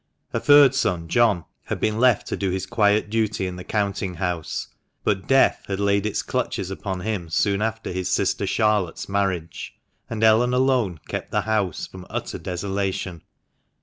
A third son, John, had been left to do his quiet duty in the counting house, but Death had laid its clutches upon him soon after his sister Charlotte's marriage, and Ellen alone kept the house from utter desolation.